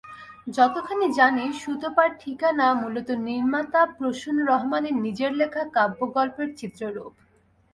যতখানি জানি, সুতপার ঠিকানা মূলত নির্মাতা প্রসূন রহমানের নিজের লেখা কাব্যগল্পের চিত্ররূপ।